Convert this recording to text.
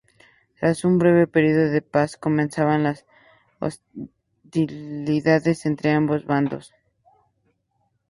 Tras un breve período de paz, comenzaron las hostilidades entre ambos bandos.